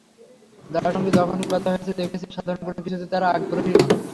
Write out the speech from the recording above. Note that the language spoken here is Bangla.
তাঁর সঙ্গে যখনই কথা হয়েছে, দেখেছি সাধারণ কোনো কিছুতে তাঁর আগ্রহ নেই।